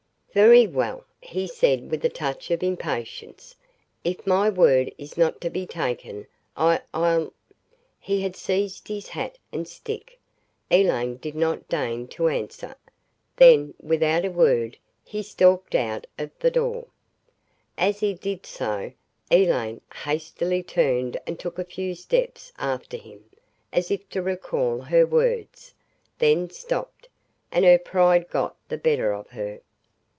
"Very well," he said with a touch of impatience, "if my word is not to be taken I I'll " He had seized his hat and stick. Elaine did not deign to answer. Then, without a word he stalked out of the door. As he did so, Elaine hastily turned and took a few steps after him, as if to recall her words, then stopped, and her pride got the better of her.